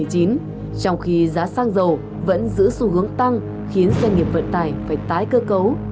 trong khi giá xăng dầu vẫn giữ xu hướng tăng khiến doanh nghiệp vận tải phải tái cơ cấu